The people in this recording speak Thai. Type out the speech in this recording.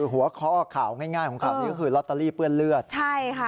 หัวข้อข่าวง่ายของข่าวนี้ก็คือลอตเตอรี่เปื้อนเลือดใช่ค่ะ